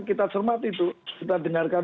kita cermati itu kita dengarkan